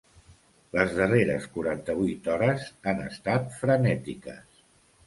Les darreres quaranta-vuit hores han estat frenètiques.